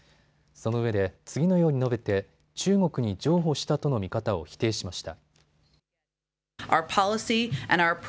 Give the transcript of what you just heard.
そのうえで次のように述べて中国に譲歩したとの見方を否定しました。